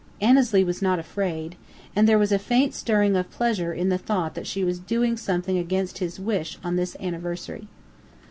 Annesley was not afraid, and there was a faint stirring of pleasure in the thought that she was doing something against his wish on this anniversary.